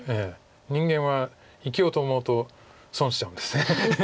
人間は生きようと思うと損しちゃうんです。